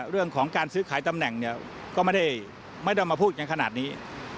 เรื่องของการซื้อขายตำแหน่งเนี่ยก็ไม่ได้มาพูดกันขนาดนี้